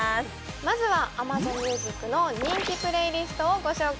まずはＡｍａｚｏｎＭｕｓｉｃの人気プレイリストをご紹介。